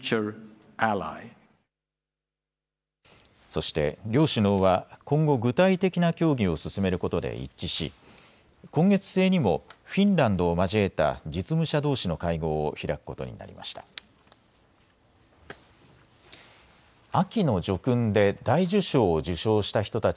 そして両首脳は今後、具体的な協議を進めることで一致し今月末にもフィンランドを交えた実務者どうしの会合を開くことになりました。